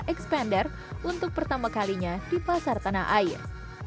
expander untuk pertama kalinya di pasar tanah air